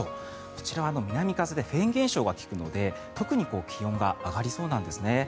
こちらは南風でフェーン現象が利くので特に気温が上がりそうなんですね。